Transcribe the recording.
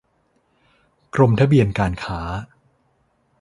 กรมทะเบียนการค้า